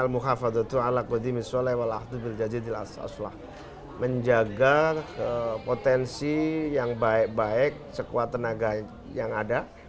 menjaga potensi yang baik baik sekuat tenaga yang ada